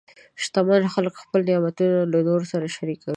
شتمن خلک خپل نعمتونه له نورو سره شریکوي.